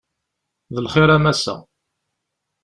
D lxir a Massa.